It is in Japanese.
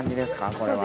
これは。